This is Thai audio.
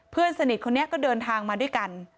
เพื่อนสนิทคนนี้ก็เดินทางมาด้วยกัน